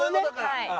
はい。